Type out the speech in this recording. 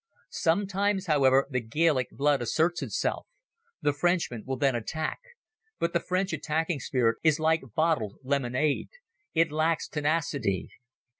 Sometimes, however, the Gaelic blood asserts itself. The Frenchmen will then attack. But the French attacking spirit is like bottled lemonade. It lacks tenacity.